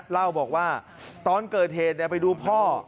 เล่าบอกว่าตอนเกิดเหตุไปดูพ่อ